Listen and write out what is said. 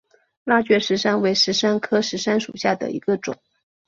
拉觉石杉为石杉科石杉属下的一个种。